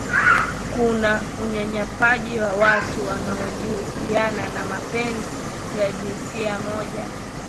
kuna unyanyapaaji wa watu wanaojihusiana na mapenzi ya jinsia moja